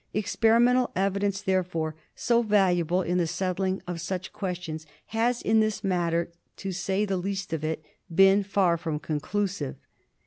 Experimental evi dence therefore, so valuable in the settlement of such questions, has in this matter, to say the least of it, been far from conclusive.